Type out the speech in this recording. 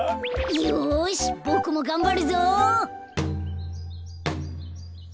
よしボクもがんばるぞ。